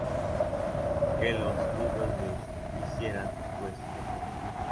Que los libros los hicieran, pues, los otros.